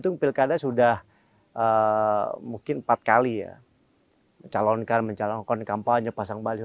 hitung hitung pilkada sudah mungkin empat kali ya mencalonkan mencalonkan kampanye pasang balik